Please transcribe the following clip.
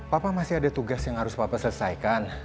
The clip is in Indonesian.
papa masih ada tugas yang harus bapak selesaikan